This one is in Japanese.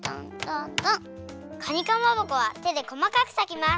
かにかまぼこはてでこまかくさきます。